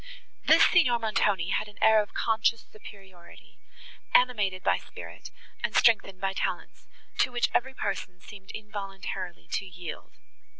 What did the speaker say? This Signor Montoni had an air of conscious superiority, animated by spirit, and strengthened by talents, to which every person seemed involuntarily to yield.